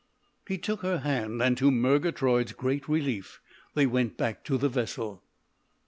He took her hand, and to Murgatroyd's great relief they went back to the vessel.